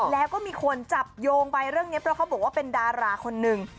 แล้วก็มีคนจับโยงไปเรื่องนี้เพราะเขาบอกว่าเป็นดาราคนหนึ่ง